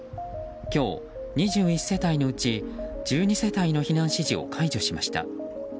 今日、２１世帯のうち１２世帯の避難指示を解除しました。